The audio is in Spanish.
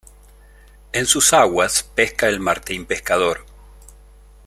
En sus aguas pesca el martín pescador.